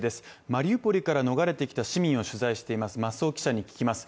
マリウポリから逃れてきた市民を取材しています増尾記者に聞きます